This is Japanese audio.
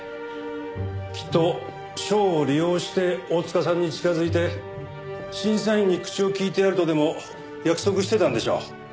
きっと賞を利用して大塚さんに近づいて審査員に口を利いてやるとでも約束してたんでしょう。